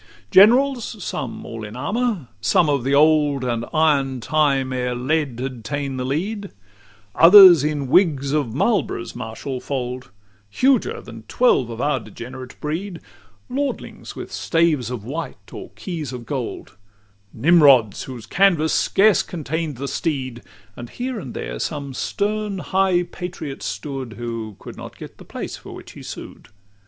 LXX Generals, some all in armour, of the old And iron time, ere lead had ta'en the lead; Others in wigs of Marlborough's martial fold, Huger than twelve of our degenerate breed: Lordlings, with staves of white or keys of gold: Nimrods, whose canvass scarce contain'd the steed; And here and there some stern high patriot stood, Who could not get the place for which he sued.